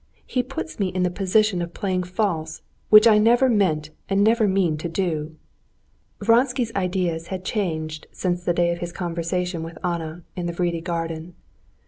He puts me in the position of playing false, which I never meant and never mean to do." Vronsky's ideas had changed since the day of his conversation with Anna in the Vrede garden.